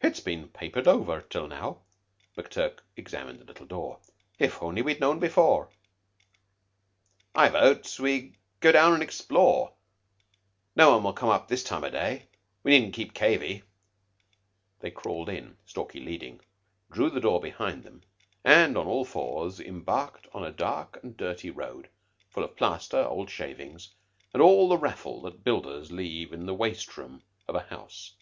"It has been papered over till now." McTurk examined the little door. "If we'd only known before!" "I vote we go down and explore. No one will come up this time o' day. We needn't keep cavé." They crawled in, Stalky leading, drew the door behind them, and on all fours embarked on a dark and dirty road full of plaster, odd shavings, and all the raffle that builders leave in the waste room of a house.